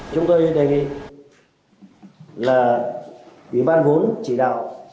chúng tôi đề nghị là ủy ban vốn chỉ đạo